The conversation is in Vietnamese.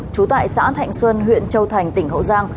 trú tại xã thạnh xuân huyện châu thành tỉnh hậu giang